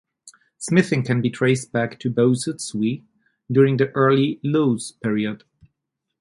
Smithing can be traced back to Bosutswe during the Early Lose Period.